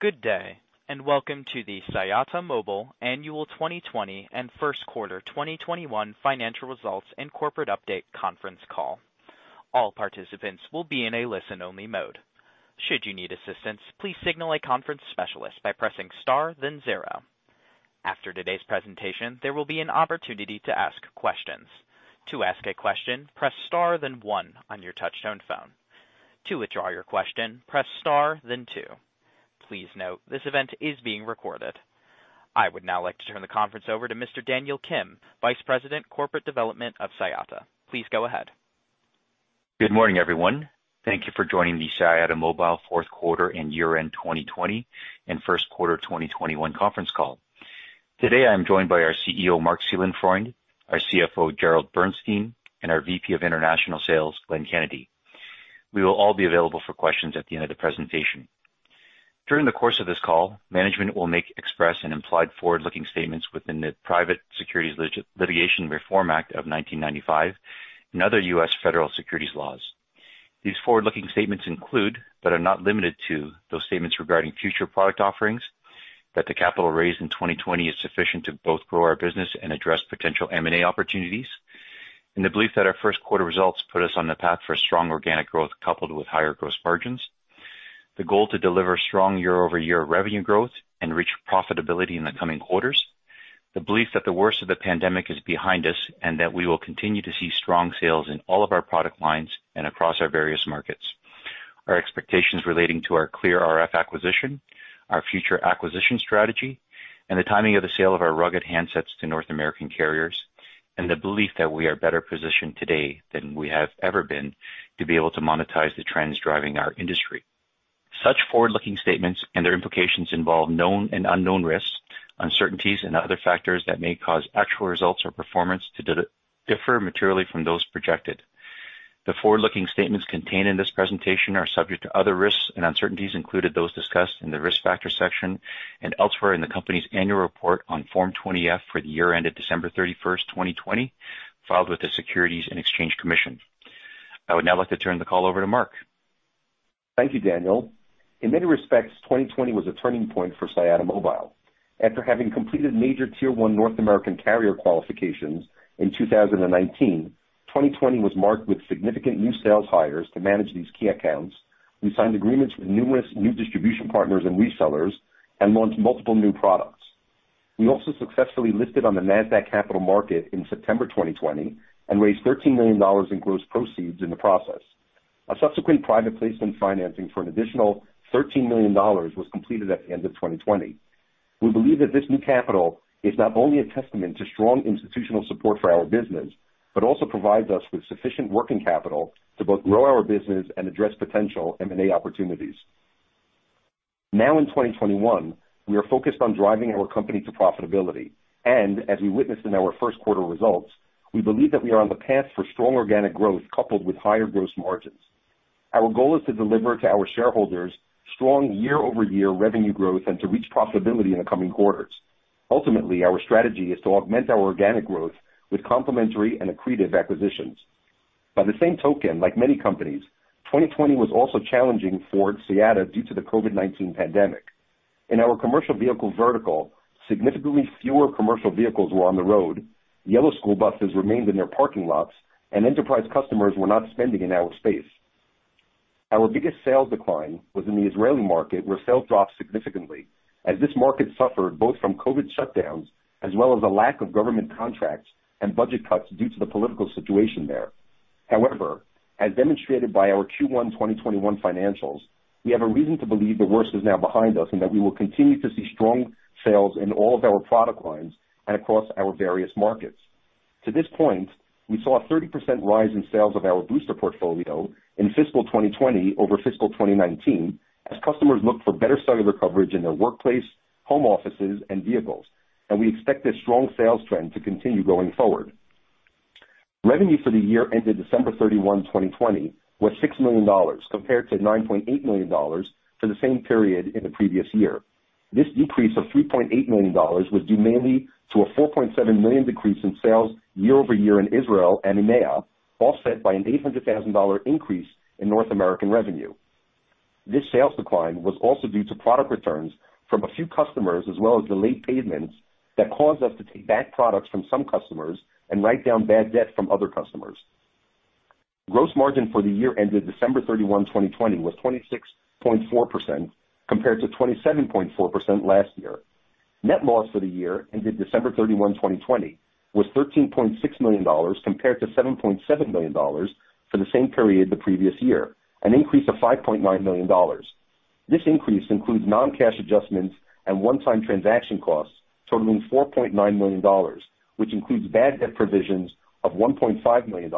Good day, and welcome to the Siyata Mobile Annual 2020 and First Quarter 2021 Financial Results and Corporate Update Conference Call. All participants will be in a listen-only mode. Should you need assistance, please signal a conference specialist by pressing star then zero. After today's presentation, there will be an opportunity to ask questions. To ask a question, press star then one on your touch-tone phone. To withdraw your question, press star then two. Please note, this event is being recorded. I would now like to turn the conference over to Mr. Daniel Kim, Vice President, Corporate Development of Siyata. Please go ahead. Good morning, everyone. Thank you for joining the Siyata Mobile 4th Quarter and Year-End 2020 and 1st Quarter 2021 conference call. Today I'm joined by our CEO, Marc Seelenfreund, our CFO, Gerald Bernstein, and our VP of International Sales, Glenn Kennedy. We will all be available for questions at the end of the presentation. During the course of this call, management will make express and implied forward-looking statements within the Private Securities Litigation Reform Act of 1995 and other U.S. federal securities laws. These forward-looking statements include, but are not limited to, those statements regarding future product offerings, that the capital raised in 2020 is sufficient to both grow our business and address potential M&A opportunities, and the belief that our 1st quarter results put us on the path for strong organic growth coupled with higher gross margins. The goal to deliver strong year-over-year revenue growth and reach profitability in the coming quarters. The belief that the worst of the pandemic is behind us, and that we will continue to see strong sales in all of our product lines and across our various markets. Our expectations relating to our ClearRF acquisition, our future acquisition strategy, and the timing of the sale of our rugged handsets to North American carriers, and the belief that we are better positioned today than we have ever been to be able to monetize the trends driving our industry. Such forward-looking statements and their implications involve known and unknown risks, uncertainties, and other factors that may cause actual results or performance to differ materially from those projected. The forward-looking statements contained in this presentation are subject to other risks and uncertainties included those discussed in the Risk Factor section and elsewhere in the company's annual report on Form 20-F for the year ended December 31, 2020, filed with the Securities and Exchange Commission. I would now like to turn the call over to Marc. Thank you, Daniel. In many respects, 2020 was a turning point for Siyata Mobile. After having completed major Tier 1 North American carrier qualifications in 2019, 2020 was marked with significant new sales hires to manage these key accounts. We signed agreements with numerous new distribution partners and resellers and launched multiple new products. We also successfully listed on the NASDAQ Capital Market in September 2020 and raised $13 million in gross proceeds in the process. A subsequent private placement financing for an additional $13 million was completed at the end of 2020. We believe that this new capital is not only a testament to strong institutional support for our business, but also provides us with sufficient working capital to both grow our business and address potential M&A opportunities. In 2021, we are focused on driving our company to profitability. As we witnessed in our first quarter results, we believe that we are on the path for strong organic growth coupled with higher gross margins. Our goal is to deliver to our shareholders strong year-over-year revenue growth and to reach profitability in coming quarters. Ultimately, our strategy is to augment our organic growth with complementary and accretive acquisitions. By the same token, like many companies, 2020 was also challenging for Siyata due to the COVID-19 pandemic. In our commercial vehicle vertical, significantly fewer commercial vehicles were on the road, yellow school buses remained in their parking lots, and enterprise customers were not spending in our space. Our biggest sales decline was in the Israeli market, where sales dropped significantly, as this market suffered both from COVID shutdowns as well as a lack of government contracts and budget cuts due to the political situation there. However, as demonstrated by our Q1 2021 financials, we have a reason to believe the worst is now behind us, and that we will continue to see strong sales in all of our product lines and across our various markets. To this point, we saw a 30% rise in sales of our booster portfolio in fiscal 2020 over fiscal 2019 as customers look for better cellular coverage in their workplace, home offices, and vehicles, and we expect this strong sales trend to continue going forward. Revenue for the year ended December 31, 2020, was $6 million, compared to $9.8 million for the same period in the previous year. This decrease of $3.8 million was due mainly to a $4.7 million decrease in sales year-over-year in Israel and EMEA, offset by an $800,000 increase in North American revenue. This sales decline was also due to product returns from a few customers as well as delayed payments that caused us to take back products from some customers and write down bad debt from other customers. Gross margin for the year ended December 31, 2020, was 26.4% compared to 27.4% last year. Net loss for the year ended December 31, 2020, was $13.6 million compared to $7.7 million for the same period the previous year, an increase of $5.9 million. This increase includes non-cash adjustments and one-time transaction costs totaling $4.9 million, which includes bad debt provisions of $1.5 million,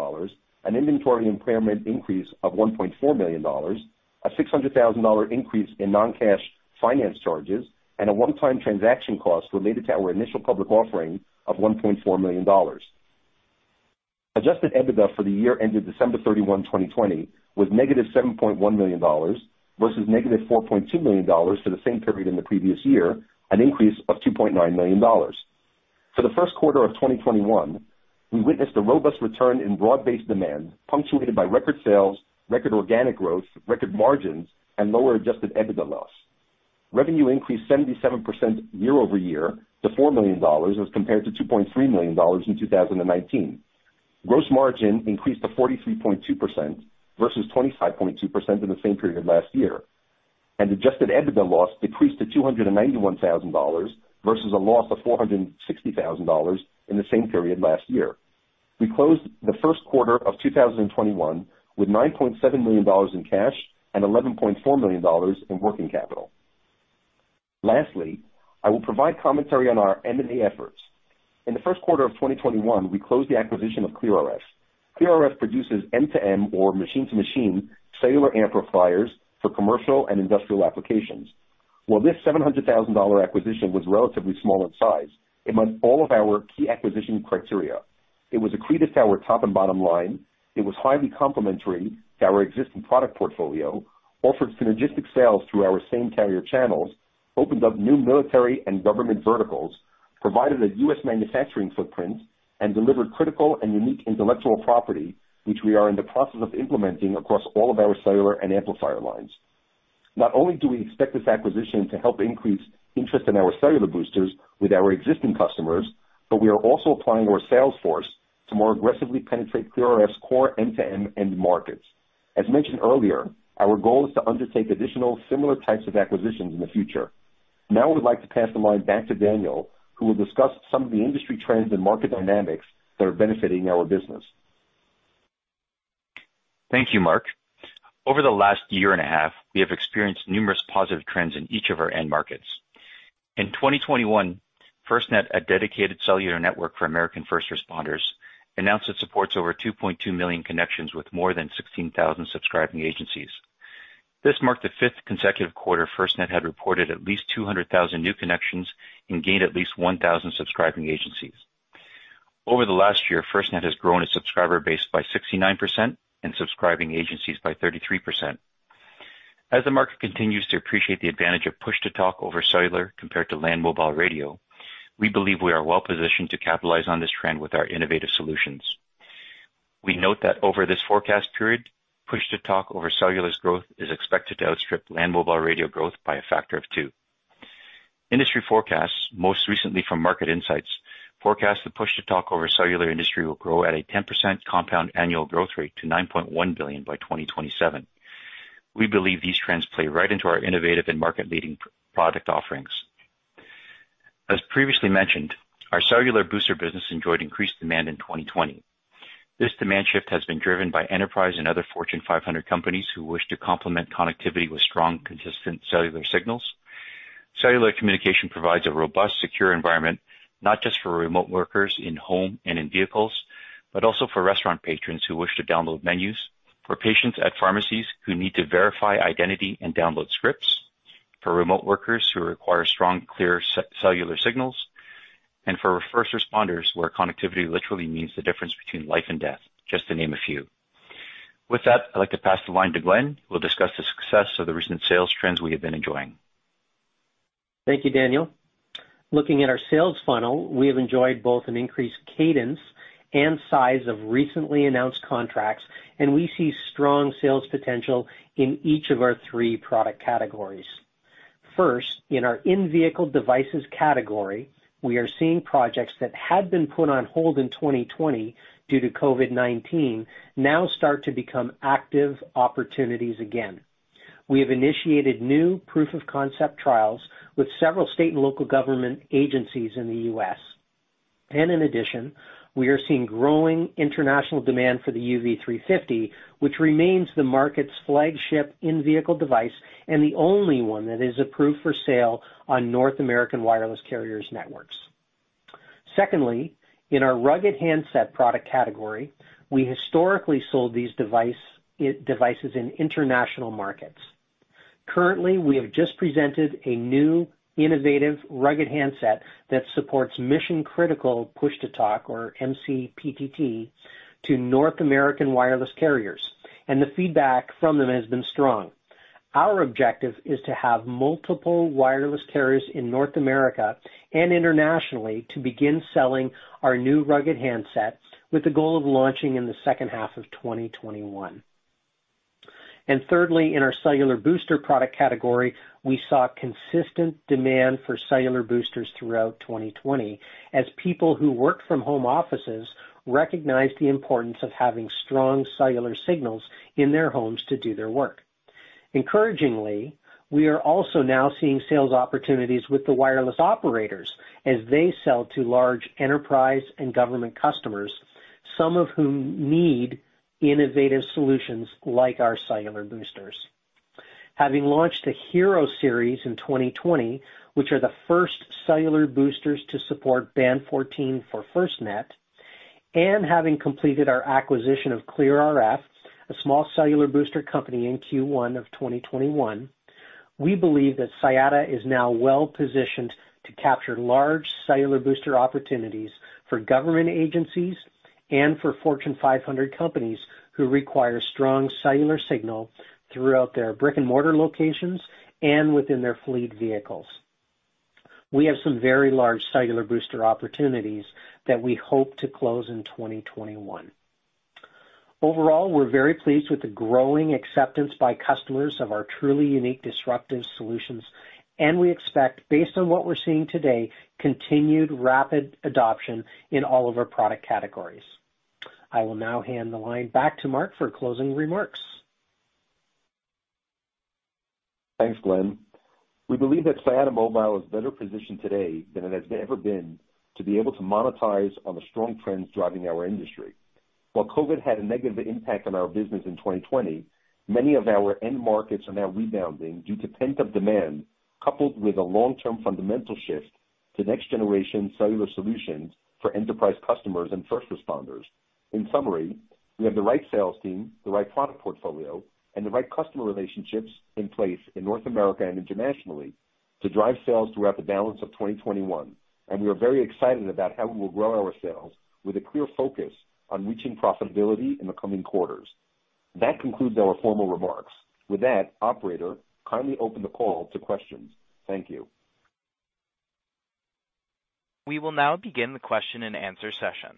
an inventory impairment increase of $1.4 million, a $600,000 increase in non-cash finance charges, and a one-time transaction cost related to our initial public offering of $1.4 million. Adjusted EBITDA for the year ended December 31, 2020, was negative $7.1 million versus negative $4.2 million for the same period in the previous year, an increase of $2.9 million. For the first quarter of 2021, we witnessed a robust return in broad-based demand punctuated by record sales, record organic growth, record margins, and lower adjusted EBITDA loss. Revenue increased 77% year-over-year to $4 million as compared to $2.3 million in 2019. Gross margin increased to 43.2% versus 25.2% in the same period last year. Adjusted EBITDA loss decreased to $291,000 versus a loss of $460,000 in the same period last year. We closed the first quarter of 2021 with $9.7 million in cash and $11.4 million in working capital. Lastly, I will provide commentary on our M&A efforts. In the first quarter of 2021, we closed the acquisition of ClearRF. ClearRF produces M2M, or machine-to-machine, cellular amplifiers for commercial and industrial applications. While this $700,000 acquisition was relatively small in size, it met all of our key acquisition criteria. It was accretive to our top and bottom line, it was highly complementary to our existing product portfolio, offered synergistic sales through our same carrier channels, opened up new military and government verticals, provided a U.S. manufacturing footprint, and delivered critical and unique intellectual property, which we are in the process of implementing across all of our cellular and amplifier lines. Not only do we expect this acquisition to help increase interest in our cellular boosters with our existing customers, but we are also applying our sales force to more aggressively penetrate ClearRF's core M2M end markets. As mentioned earlier, our goal is to undertake additional similar types of acquisitions in the future. Now I would like to pass the line back to Daniel, who will discuss some of the industry trends and market dynamics that are benefiting our business. Thank you, Marc. Over the last 1.5 years, we have experienced numerous positive trends in each of our end markets. In 2021, FirstNet, a dedicated cellular network for U.S. first responders, announced it supports over 2.2 million connections with more than 16,000 subscribing agencies. This marked the fifth consecutive quarter FirstNet had reported at least 200,000 new connections and gained at least 1,000 subscribing agencies. Over the last year, FirstNet has grown its subscriber base by 69% and subscribing agencies by 33%. As the market continues to appreciate the advantage of push-to-talk over cellular compared to land mobile radio, we believe we are well-positioned to capitalize on this trend with our innovative solutions. We note that over this forecast period, push-to-talk over cellular's growth is expected to outstrip land mobile radio growth by a factor of two. Industry forecasts, most recently from Market Insights, forecast the push-to-talk over cellular industry will grow at a 10% compound annual growth rate to $9.1 billion by 2027. We believe these trends play right into our innovative and market-leading product offerings. As previously mentioned, our cellular booster business enjoyed increased demand in 2020. This demand shift has been driven by enterprise and other Fortune 500 companies who wish to complement connectivity with strong, consistent cellular signals. Cellular communication provides a robust, secure environment, not just for remote workers in home and in vehicles, but also for restaurant patrons who wish to download menus, for patients at pharmacies who need to verify identity and download scripts, for remote workers who require strong, clear cellular signals, and for first responders where connectivity literally means the difference between life and death, just to name a few. With that, I'd like to pass the line to Glenn Kennedy, who will discuss the success of the recent sales trends we have been enjoying. Thank you, Daniel. Looking at our sales funnel, we have enjoyed both an increased cadence and size of recently announced contracts. We see strong sales potential in each of our three product categories. First, in our in-vehicle devices category, we are seeing projects that had been put on hold in 2020 due to COVID-19 now start to become active opportunities again. We have initiated new proof-of-concept trials with several state and local government agencies in the U.S. In addition, we are seeing growing international demand for the UV350, which remains the market's flagship in-vehicle device and the only one that is approved for sale on North American wireless carriers' networks. Secondly, in our rugged handset product category, we historically sold these devices in international markets. Currently, we have just presented a new innovative rugged handset that supports mission-critical push-to-talk, or MCPTT, to North American wireless carriers. The feedback from them has been strong. Our objective is to have multiple wireless carriers in North America and internationally to begin selling our new rugged handsets with the goal of launching in the second half of 2021. Thirdly, in our cellular booster product category, we saw consistent demand for cellular boosters throughout 2020 as people who worked from home offices recognized the importance of having strong cellular signals in their homes to do their work. Encouragingly, we are also now seeing sales opportunities with the wireless operators as they sell to large enterprise and government customers, some of whom need innovative solutions like our cellular boosters. Having launched a Hero Series in 2020, which are the first cellular boosters to support Band 14 for FirstNet, and having completed our acquisition of ClearRF, a small cellular booster company, in Q1 of 2021, we believe that Siyata is now well-positioned to capture large cellular booster opportunities for government agencies. For Fortune 500 companies who require strong cellular signal throughout their brick-and-mortar locations and within their fleet vehicles. We have some very large cellular booster opportunities that we hope to close in 2021. Overall, we're very pleased with the growing acceptance by customers of our truly unique disruptive solutions, and we expect, based on what we're seeing today, continued rapid adoption in all of our product categories. I will now hand the line back to Marc for closing remarks. Thanks, Glenn. We believe that Siyata Mobile is better positioned today than it has ever been to be able to monetize on the strong trends driving our industry. While COVID had a negative impact on our business in 2020, many of our end markets are now rebounding due to pent-up demand, coupled with a long-term fundamental shift to next-generation cellular solutions for enterprise customers and first responders. In summary, we have the right sales team, the right product portfolio, and the right customer relationships in place in North America and internationally to drive sales throughout the balance of 2021. We are very excited about how we will grow our sales with a clear focus on reaching profitability in the coming quarters. That concludes our formal remarks. With that, operator, kindly open the call to questions. Thank you. We will now begin the question and answer session ,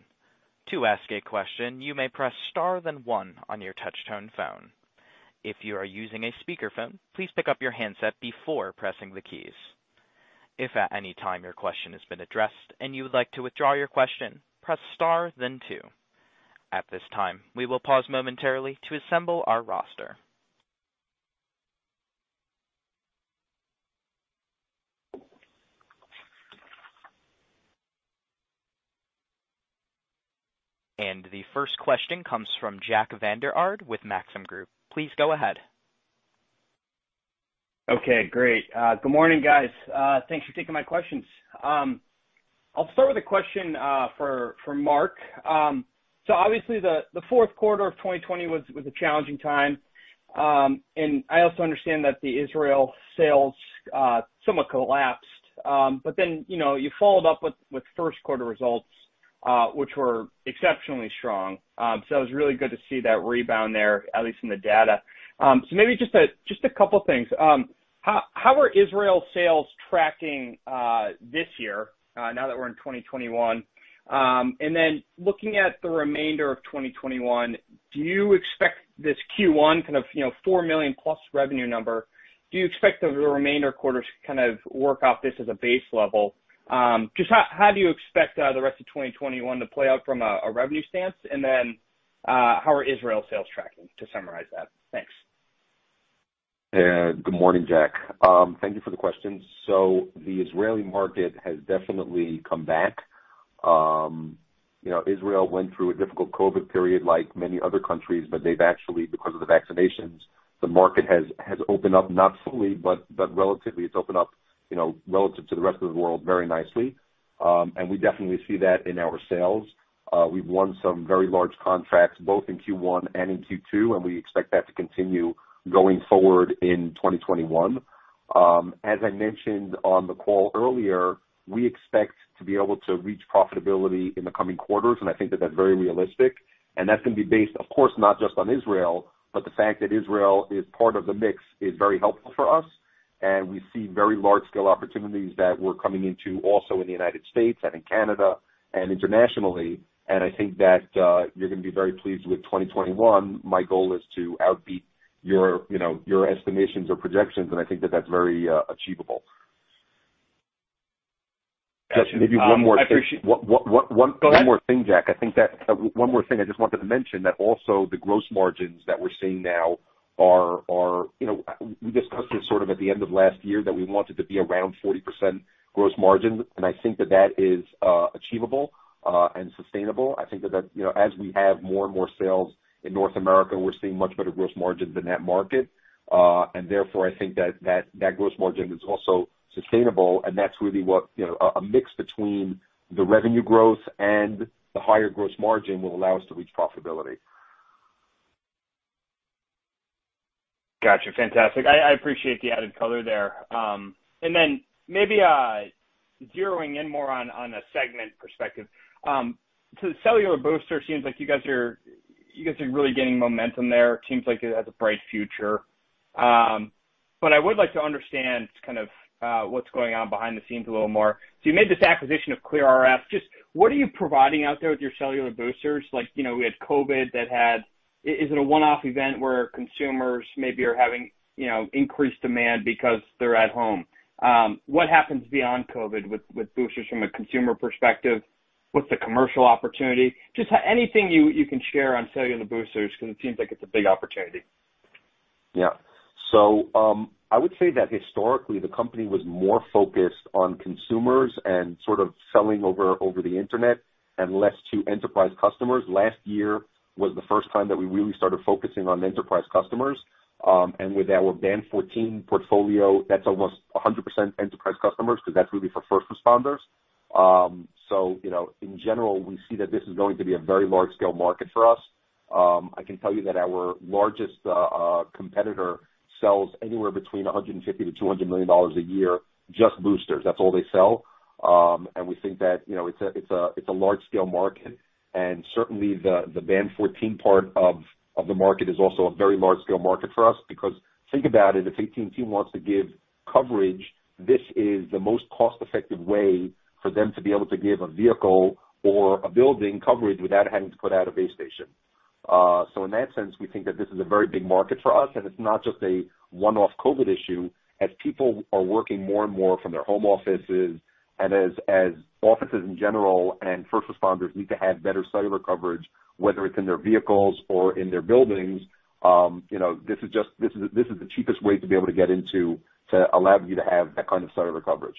to ask a question may press star then one on your touch-tone telephone. If you are using a speaker phone please pick up your hand up before pressing the keys. If at any time your question has been addressed and you like to withdraw your question press star then two. At this time we will pause momentarily to assemble our roster. The first question comes from Jack Vander Aarde with Maxim Group. Please go ahead. Okay, great. Good morning, guys. Thanks for taking my questions. I'll start with a question for Marc. Obviously the fourth quarter of 2020 was a challenging time, and I also understand that the Israel sales somewhat collapsed. You followed up with first-quarter results, which were exceptionally strong. It was really good to see that rebound there, at least in the data. Maybe just a couple of things. How are Israel sales tracking this year, now that we're in 2021? Looking at the remainder of 2021, do you expect this Q1 kind of $4 million plus revenue number, do you expect the remainder quarters to kind of work off this as a base level? Just how do you expect the rest of 2021 to play out from a revenue stance? How are Israel sales tracking, to summarize that? Thanks. Good morning, Jack. Thank you for the question. The Israeli market has definitely come back. Israel went through a difficult COVID period like many other countries, but they've actually, because of the vaccinations, the market has opened up, not fully, but relatively, it's opened up relative to the rest of the world very nicely, and we definitely see that in our sales. We've won some very large contracts both in Q1 and in Q2, and we expect that to continue going forward in 2021. As I mentioned on the call earlier, we expect to be able to reach profitability in the coming quarters, and I think that that's very realistic, and that's going to be based, of course, not just on Israel, but the fact that Israel is part of the mix is very helpful for us, and we see very large-scale opportunities that we're coming into also in the U.S. and in Canada and internationally, and I think that you're going to be very pleased with 2021. My goal is to outbeat your estimations or projections, and I think that that's very achievable. Just maybe one more thing, Jack. I think that, one more thing I just wanted to mention that also the gross margins that we're seeing now, we discussed this sort of at the end of last year, that we wanted to be around 40% gross margins, and I think that that is achievable and sustainable. I think that, as we add more and more sales in North America, we're seeing much better gross margins in that market, and therefore, I think that that gross margin is also sustainable, and that's really what a mix between the revenue growth and the higher gross margin will allow us to reach profitability. Got you. Fantastic. I appreciate the added color there. Then maybe zeroing in more on a segment perspective. Cellular booster seems like you guys are really gaining momentum there. Seems like it has a bright future. I would like to understand kind of what's going on behind the scenes a little more. You made this acquisition of ClearRF. What are you providing out there with your cellular boosters? We had COVID that had, is it a one-off event where consumers maybe are having increased demand because they're at home? What happens beyond COVID with boosters from a consumer perspective? What's the commercial opportunity? Anything you can share on cellular boosters, because it seems like it's a big opportunity. I would say that historically, the company was more focused on consumers and sort of selling over the internet and less to enterprise customers. Last year was the first time that we really started focusing on enterprise customers. With our Band 14 portfolio, that's almost 100% enterprise customers because that's really for FirstNet responders. In general, we see that this is going to be a very large-scale market for us. I can tell you that our largest competitor sells anywhere between $150 to 200 million a year, just boosters. That's all they sell. We think that it's a large scale market, and certainly the Band 14 part of the market is also a very large scale market for us. Think about it, if AT&T wants to give coverage, this is the most cost-effective way for them to be able to give a vehicle or a building coverage without having to put out a base station. In that sense, we think that this is a very big market for us, and it's not just a one-off COVID issue. As people are working more and more from their home offices, and as offices in general and first responders need to have better cellular coverage, whether it's in their vehicles or in their buildings, this is the cheapest way to be able to get into, to allow you to have that kind of cellular coverage.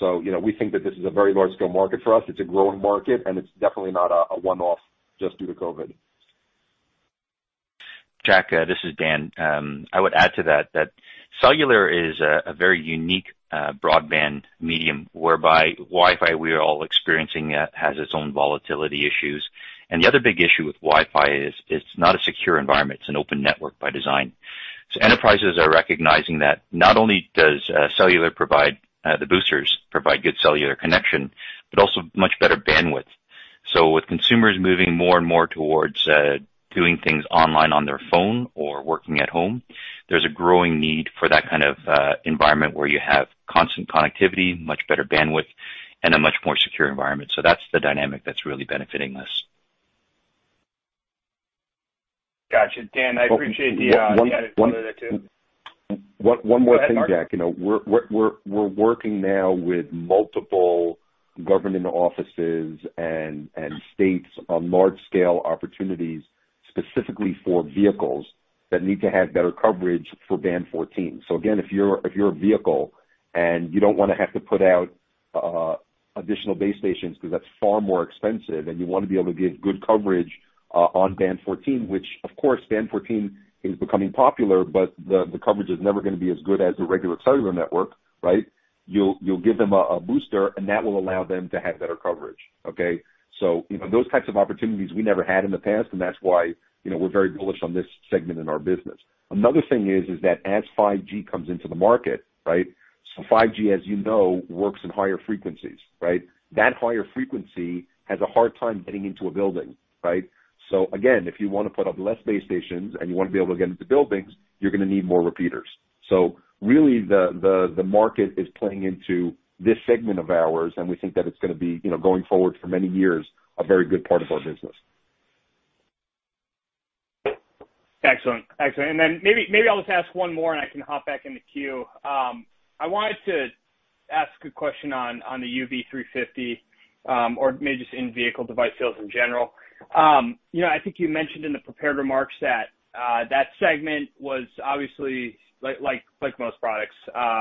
We think that this is a very large scale market for us. It's a growing market, and it's definitely not a one-off just due to COVID. Jack, this is Dan. I would add to that cellular is a very unique broadband medium whereby Wi-Fi, we are all experiencing it, has its own volatility issues. The other big issue with Wi-Fi is it's not a secure environment. It's an open network by design. Enterprises are recognizing that not only does cellular provide the boosters, provide good cellular connection, but also much better bandwidth. With consumers moving more and more towards doing things online on their phone or working at home, there's a growing need for that kind of environment where you have constant connectivity, much better bandwidth, and a much more secure environment. That's the dynamic that's really benefiting us. Got you. Dan, I appreciate the insight there, too. One more thing, Jack. We're working now with multiple government offices and states on large scale opportunities specifically for vehicles that need to have better coverage for Band 14. Again, if you're a vehicle and you don't want to have to put out additional base stations because that's far more expensive, and you want to be able to give good coverage on Band 14, which of course, Band 14 is becoming popular, but the coverage is never going to be as good as the regular cellular network, right? You'll give them a booster, that will allow them to have better coverage. Okay? Those types of opportunities we never had in the past, and that's why we're very bullish on this segment in our business. Another thing is that as 5G comes into the market, right? 5G, as you know, works in higher frequencies, right? That higher frequency has a hard time getting into a building. Right? Again, if you want to put up less base stations and you want to be able to get into buildings, you're going to need more repeaters. Really, the market is playing into this segment of ours, and we think that it's going to be, going forward for many years, a very good part of our business. Excellent. Then maybe I'll just ask one more, and I can hop back in the queue. I wanted to ask a question on the UV350, or maybe just in-vehicle device sales in general. I think you mentioned in the prepared remarks that segment was obviously, like most products,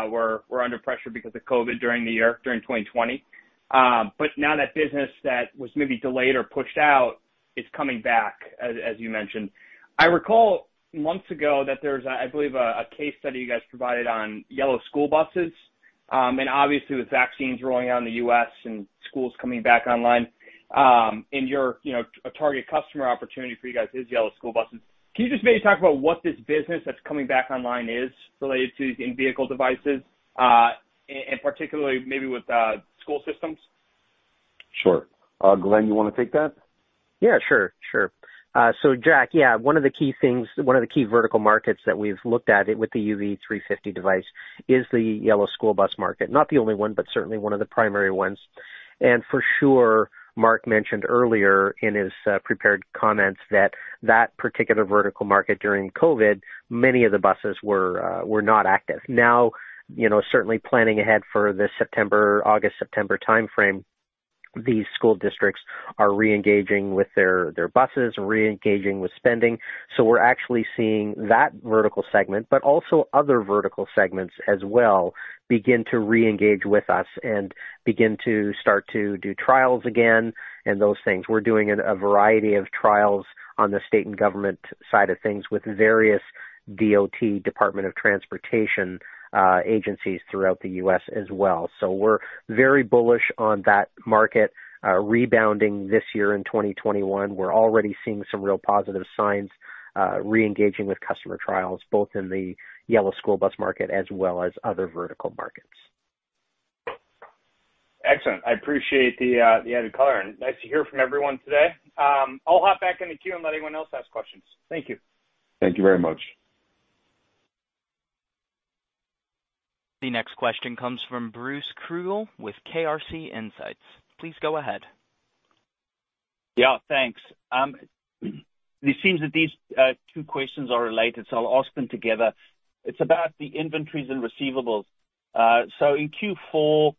were under pressure because of COVID during the year, during 2020. Now that business that was maybe delayed or pushed out is coming back, as you mentioned. I recall months ago that there was, I believe, a case study you guys provided on yellow school buses. Obviously with vaccines rolling out in the U.S. and schools coming back online, your target customer opportunity for you guys is yellow school buses. Can you just maybe talk about what this business that's coming back online is related to in-vehicle devices, and particularly maybe with school systems? Sure. Glenn, you want to take that? Yeah, sure. Jack, yeah, one of the key things, one of the key vertical markets that we've looked at with the UV350 device is the yellow school bus market. Not the only one, but certainly one of the primary ones. For sure, Marc mentioned earlier in his prepared comments that that particular vertical market during COVID, many of the buses were not active. Certainly planning ahead for the August, September timeframe, the school districts are reengaging with their buses, reengaging with spending. We're actually seeing that vertical segment, but also other vertical segments as well, begin to reengage with us and begin to start to do trials again and those things. We're doing a variety of trials on the state and government side of things with various DOT, Department of Transportation, agencies throughout the U.S. as well. We're very bullish on that market rebounding this year in 2021. We're already seeing some real positive signs reengaging with customer trials, both in the yellow school bus market as well as other vertical markets. Excellent. I appreciate the added color, and nice to hear from everyone today. I'll hop back in the queue and let anyone else ask questions. Thank you. Thank you very much. The next question comes from Bruce Krugel with KRC Insights. Please go ahead. Yeah, thanks. It seems that these two questions are related, so I'll ask them together. It's about the inventories and receivables. In Q4,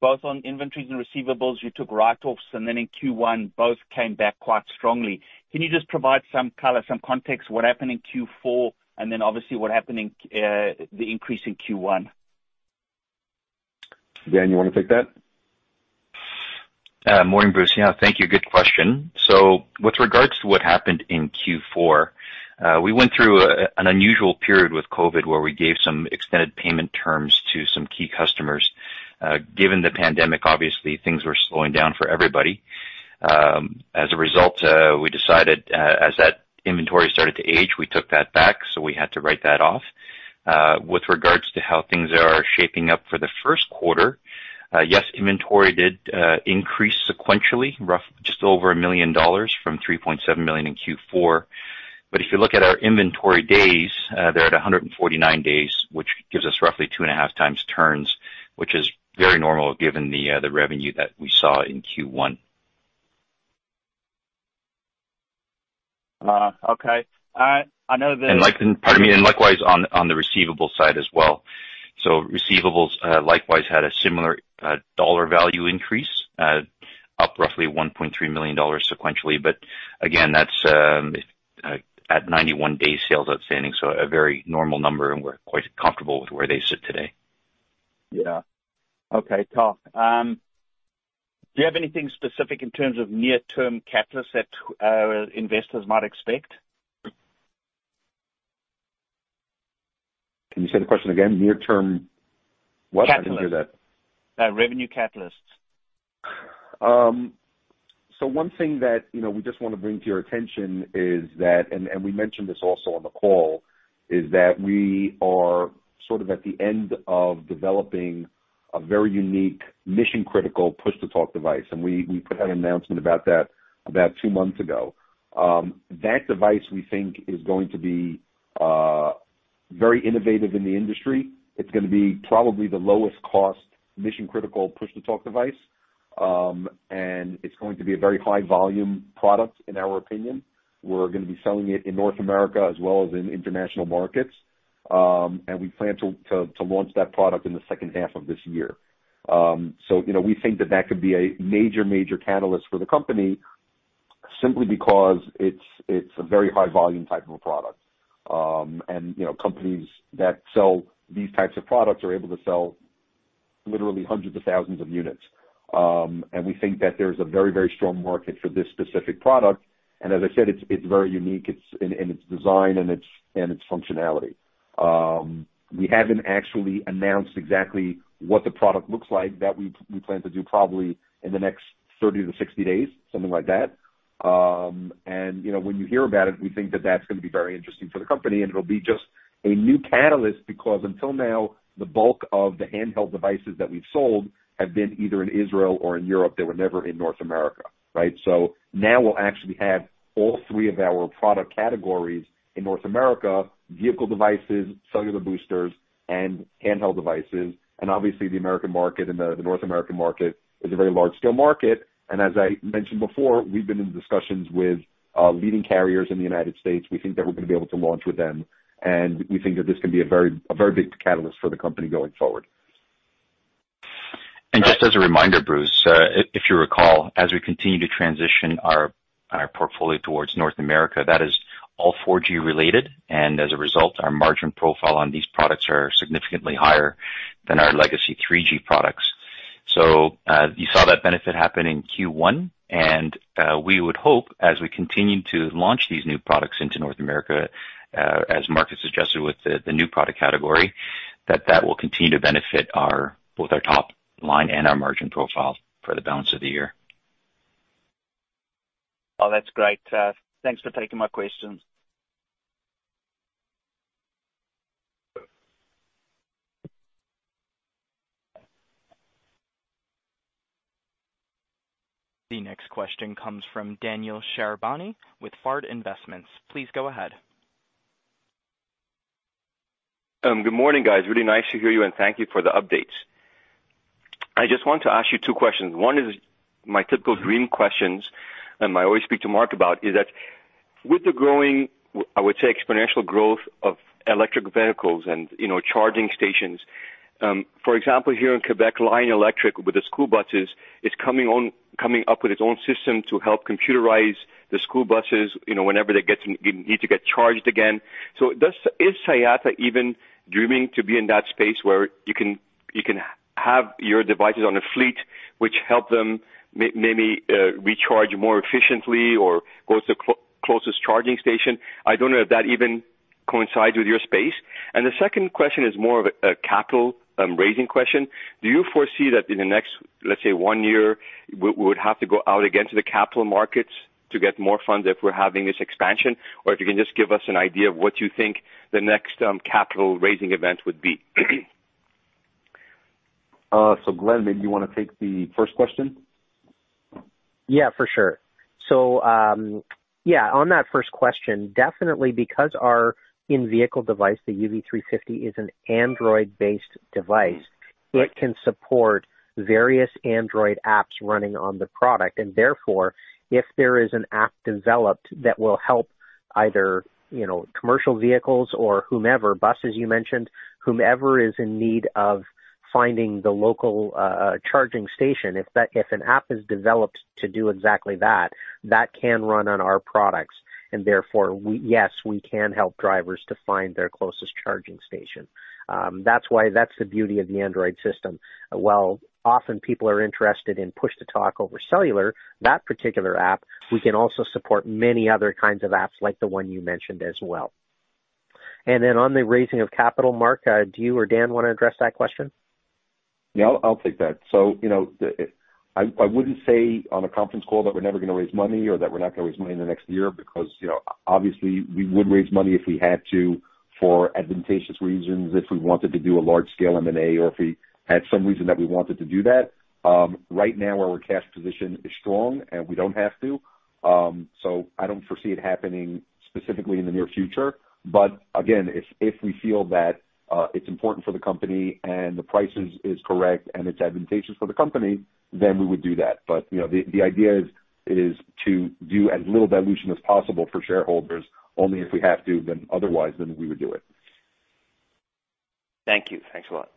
both on inventories and receivables, you took write-offs, and then in Q1, both came back quite strongly. Can you just provide some color, some context what happened in Q4, and then obviously what happened in the increase in Q1? Dan, you want to take that? Morning, Bruce. Yeah, thank you. Good question. With regards to what happened in Q4, we went through an unusual period with COVID where we gave some extended payment terms to some key customer. Given the pandemic, obviously, things were slowing down for everybody. As a result, we decided, as that inventory started to age, we took that back, so we had to write that off. With regards to how things are shaping up for the first quarter, yes, inventory did increase sequentially, just over $1 million from $3.7 million in Q4. If you look at our inventory days, they're at 149 days, which gives us roughly two and a half times turns, which is very normal given the revenue that we saw in Q1. Okay. All right. I know. Likewise on the receivable side as well. Receivables, likewise, had a similar dollar value increase, up roughly $1.3 million sequentially. Again, that's at 91 days sales outstanding, so a very normal number, and we're quite comfortable with where they sit today. Yeah. Okay, tough. Do you have anything specific in terms of near-term catalysts that investors might expect? Can you say the question again? Near term what? I didn't hear that. Catalysts. Revenue catalysts. One thing that we just want to bring to your attention is that, and we mentioned this also on the call, is that we are sort of at the end of developing a very unique mission-critical push-to-talk device, and we put out an announcement about that about two months ago. That device, we think, is going to be very innovative in the industry. It's going to be probably the lowest cost mission-critical push-to-talk device, and it's going to be a very high volume product in our opinion. We're going to be selling it in North America as well as in international markets, and we plan to launch that product in the second half of this year. We think that that could be a major catalyst for the company simply because it's a very high volume type of a product. Companies that sell these types of products are able to sell literally hundreds of thousands of units. We think that there's a very, very strong market for this specific product. As I said, it's very unique in its design and its functionality. We haven't actually announced exactly what the product looks like. That we plan to do probably in the next 30 to 60 days, something like that. When you hear about it, we think that that's going to be very interesting for the company, and it'll be just a new catalyst because until now, the bulk of the handheld devices that we've sold have been either in Israel or in Europe. They were never in North America, right? Now we'll actually have all 3 of our product categories in North America, vehicle devices, cellular boosters, and handheld devices. Obviously, the North American market is a very large-scale market and as I mentioned before, we've been in discussions with leading carriers in the United States. We think that we're going to be able to launch with them, and we think that this can be a very big catalyst for the company going forward. Just as a reminder, Bruce, if you recall, as we continue to transition our portfolio towards North America, that is all 4G related, and as a result, our margin profile on these products are significantly higher than our legacy 3G products. You saw that benefit happen in Q1, and we would hope, as we continue to launch these new products into North America, as Marc suggested with the new product category, that that will continue to benefit both our top line and our margin profile for the balance of the year. Oh, that's great. Thanks for taking my questions. The next question comes from Daniel Charbonnie with Fard Investments. Please go ahead. Good morning, guys. Really nice to hear you, and thank you for the updates. I just want to ask you 2 questions. One is my typical dream questions, and I always speak to Marc about, is that with the growing, I would say exponential growth of electric vehicles and charging stations, for example, here in Quebec, Lion Electric with the school buses, it's coming up with its own system to help computerize the school buses, whenever they need to get charged again. Is Siyata even dreaming to be in that space where you can have your devices on a fleet, which help them maybe recharge more efficiently or go to the closest charging station? I don't know if that even coincides with your space. The second question is more of a capital raising question. Do you foresee that in the next, let's say, one year, we would have to go out again to the capital markets to get more funds if we're having this expansion, or if you can just give us an idea of what you think the next capital raising event would be? Glenn, maybe you want to take the first question? Yeah, for sure. On that first question, definitely because our in-vehicle device, the UV350, is an Android-based device, it can support various Android apps running on the product. Therefore, if there is an app developed that will help either commercial vehicles or whomever, buses you mentioned, whomever is in need of finding the local charging station, if an app is developed to do exactly that can run on our products. Therefore, yes, we can help drivers to find their closest charging station. That's why that's the beauty of the Android system. While often people are interested in push-to-talk over cellular, that particular app, we can also support many other kinds of apps like the one you mentioned as well. Then on the raising of capital, Marc, do you or Dan want to address that question? Yeah, I'll take that. I wouldn't say on a conference call that we're never going to raise money or that we're not going to raise money in the next year because obviously we would raise money if we had to for advantageous reasons, if we wanted to do a large-scale M&A or if we had some reason that we wanted to do that. Right now, our cash position is strong, and we don't have to. I don't foresee it happening specifically in the near future. Again, if we feel that it's important for the company and the price is correct and it's advantageous for the company, then we would do that. The idea is to do as little dilution as possible for shareholders, only if we have to, otherwise, we would do it. Thank you. Thanks a lot.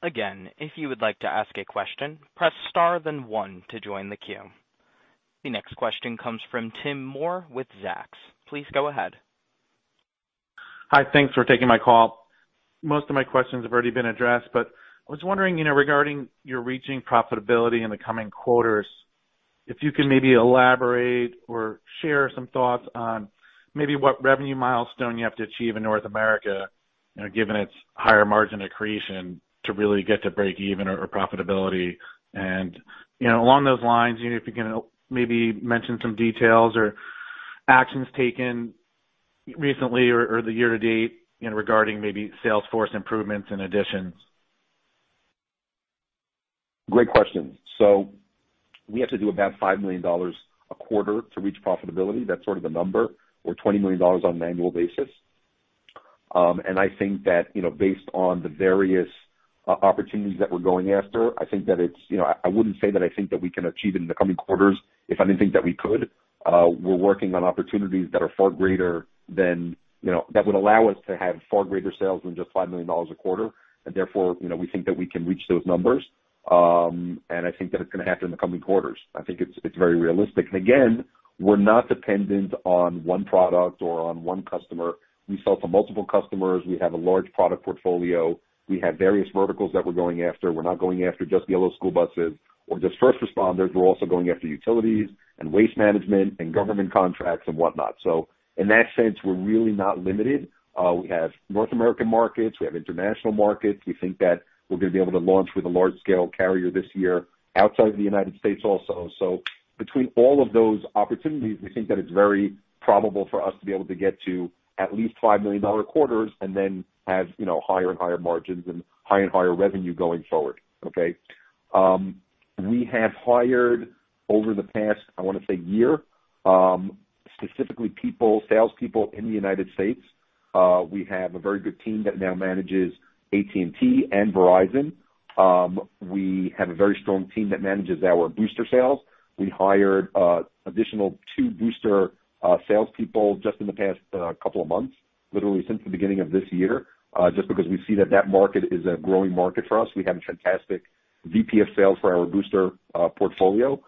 Again, if you would like to ask a question, press star then 1 to join the queue. The next question comes from Tim Moore with Zacks. Please go ahead. Hi, thanks for taking my call. Most of my questions have already been addressed, I was wondering regarding your reaching profitability in the coming quarters, if you can maybe elaborate or share some thoughts on maybe what revenue milestone you have to achieve in North America, given its higher margin accretion to really get to breakeven or profitability. Along those lines, if you can maybe mention some details or actions taken recently or the year to date regarding maybe sales force improvements and additions. We have to do about $5 million a quarter to reach profitability. That's sort of the number, or $20 million on an annual basis. I think that based on the various opportunities that we're going after, I wouldn't say that I think that we can achieve it in the coming quarters if I didn't think that we could. We're working on opportunities that are far greater than -- that would allow us to have far greater sales than just $5 million a quarter. Therefore, we think that we can reach those numbers. I think that's going to happen in the coming quarters. I think it's very realistic. Again, we're not dependent on one product or on one customer. We sell to multiple customers. We have a large product portfolio. We have various verticals that we're going after. We're not going after just yellow school buses or just first responders. We're also going after utilities and waste management and government contracts and whatnot. In that sense, we're really not limited. We have North American markets. We have international markets. We think that we're going to be able to launch with a large-scale carrier this year outside the United States also. Between all of those opportunities, we think that it's very probable for us to be able to get to at least $5 million quarters and then have higher and higher margins and higher and higher revenue going forward. Okay. We have hired over the past, I want to say year, specifically salespeople in the United States. We have a very good team that now manages AT&T and Verizon. We have a very strong team that manages our booster sales. We hired additional two booster salespeople just in the past couple of months, literally since the beginning of this year, just because we see that market is a growing market for us. We have a fantastic VP of sales for our booster portfolio.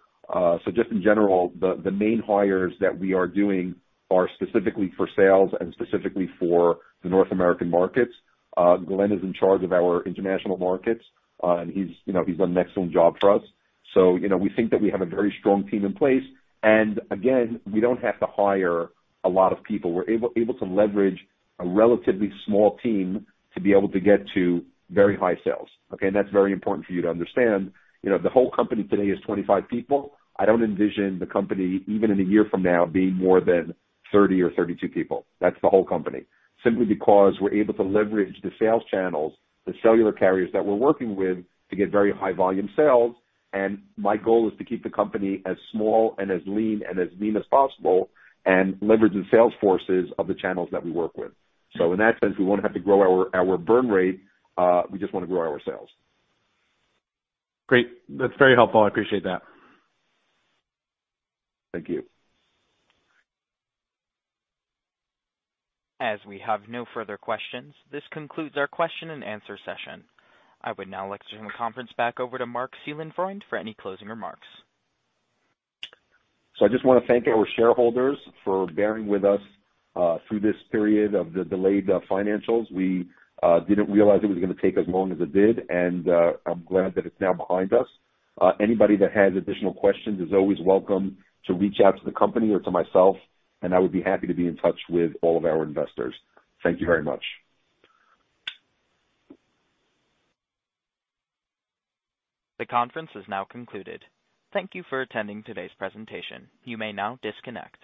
Just in general, the main hires that we are doing are specifically for sales and specifically for the North American markets. Glenn is in charge of our international markets, and he's done an excellent job for us. We think that we have a very strong team in place. Again, we don't have to hire a lot of people. We're able to leverage a relatively small team to be able to get to very high sales. Okay, that's very important for you to understand. The whole company today is 25 people. I don't envision the company, even in a year from now, being more than 30 or 32 people. That's the whole company. Simply because we're able to leverage the sales channels, the cellular carriers that we're working with to get very high volume sales. My goal is to keep the company as small and as lean as possible, and leveraging sales forces of the channels that we work with. In that sense, we won't have to grow our burn rate. We just want to grow our sales. Great. That's very helpful. I appreciate that. Thank you. As we have no further questions, this concludes our question and answer session. I would now like to turn the conference back over to Marc Seelenfreund for any closing remarks. I just want to thank our shareholders for bearing with us through this period of the delayed financials. We didn't realize it was going to take as long as it did, and I'm glad that it's now behind us. Anybody that has additional questions is always welcome to reach out to the company or to myself, and I would be happy to be in touch with all of our investors. Thank you very much. The conference is now concluded. Thank you for attending today's presentation. You may now disconnect.